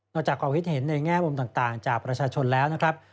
จากความคิดเห็นในแง่มุมต่างจากประชาชนแล้วนะครับ